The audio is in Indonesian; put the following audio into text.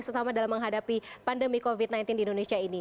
sesama dalam menghadapi pandemi covid sembilan belas di indonesia ini